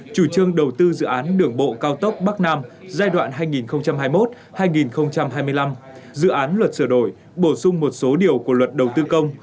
chủ trương đầu tư dự án đường bộ cao tốc bắc nam giai đoạn hai nghìn hai mươi một hai nghìn hai mươi năm dự án luật sửa đổi bổ sung một số điều của luật đầu tư công